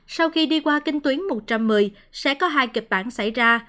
sau khi đi qua kinh tuyến một trăm một mươi sẽ có hai kịch bản xảy ra